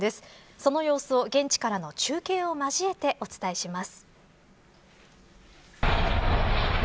その様子を、現地からの中継を交えて、お伝えします。